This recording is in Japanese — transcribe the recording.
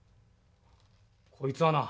こいつはな